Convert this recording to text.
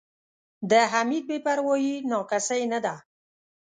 د حمید بې پروایي نا کسۍ نه ده.